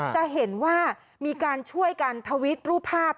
จะเห็นว่ามีการช่วยกันทวิตรูปภาพ